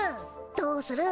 どうする！？